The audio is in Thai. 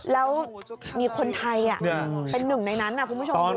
แล้วมีคนไทยเป็นหนึ่งในนั้นนะคุณผู้ชม